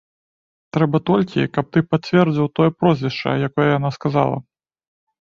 Трэба толькі, каб ты пацвердзіў тое прозвішча, якое яна сказала.